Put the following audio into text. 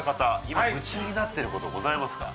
今夢中になってることございますか？